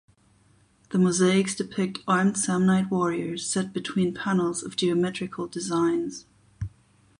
The mosaics depict armed Samnite warriors set between panels of geometrical designs.